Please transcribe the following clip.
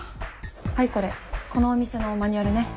はいこれこのお店のマニュアルね。